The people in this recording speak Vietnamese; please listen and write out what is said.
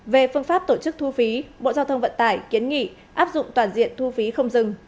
về phương pháp tổ chức thu phí bộ giao thông vận tải kiến nghị áp dụng toàn diện thu phí không dừng